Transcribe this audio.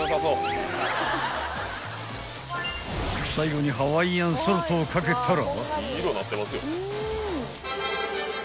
［最後にハワイアンソルトを掛けたら］